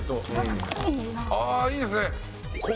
あいいですね。